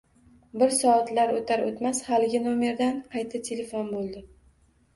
Bir soatlar o'tar o'tmas haligi nomerdan qayta telefon bo'ldi